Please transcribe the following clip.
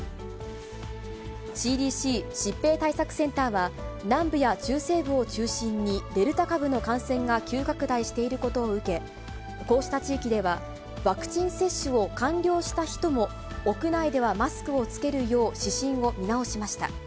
ＣＤＣ・疾病対策センターは、南部や中西部を中心に、デルタ株の感染が急拡大していることを受け、こうした地域では、ワクチン接種を完了した人も、屋内ではマスクを着けるよう指針を見直しました。